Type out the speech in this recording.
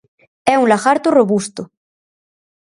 É un lagarto robusto.